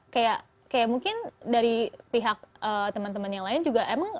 kayak mungkin dari pihak teman teman yang lain juga emang